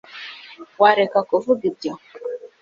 wareka kuvuga ibyo